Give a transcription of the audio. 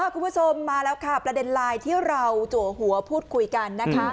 คุณผู้ชมมาแล้วค่ะประเด็นไลน์ที่เราจัวหัวพูดคุยกันนะคะ